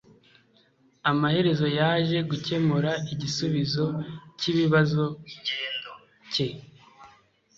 Amaherezo yaje gukemura igisubizo cyikibazo cye.